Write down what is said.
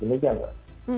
ini kan mbak